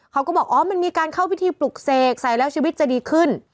เขาก็บอกอ๋อมันมีการเข้าพิธีปลุกเสกใส่แล้วชีวิตจะดีขึ้น